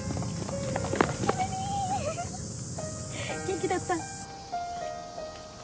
元気だった？